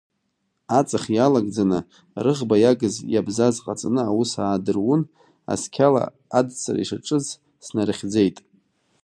Аҵых иалагӡаны, рыӷба иагыз-иабзаз ҟаҵаны аус аадырун, асқьала адҵра ишаҿыз снарыхьӡеит.